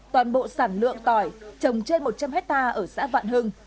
toàn bộ sản lượng tỏi trồng trên một trăm linh hectare ở xã vạn hưng